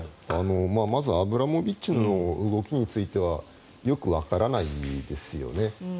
まずアブラモビッチの動きについてはよくわからないんですよね。